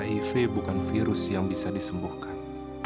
hiv bukan virus yang bisa disembuhkan